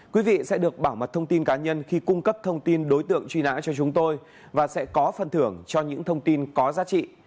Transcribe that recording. quý vị sẽ được bảo mật thông tin cá nhân khi cung cấp thông tin đối tượng truy nã cho chúng tôi và sẽ có phần thưởng cho những thông tin có giá trị